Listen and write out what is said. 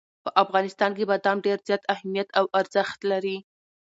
په افغانستان کې بادام ډېر زیات اهمیت او ارزښت لري.